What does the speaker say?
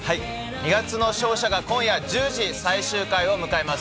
二月の勝者が今夜１０時最終回を迎えます。